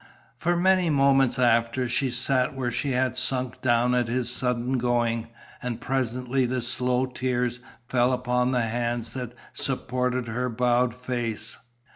For many moments after, she sat where she had sunk down at his sudden going, and presently the slow tears fell upon the hands that supported her bowed face.